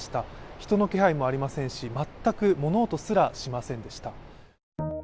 人の気配もありませんし、全く物音すらしませんでした。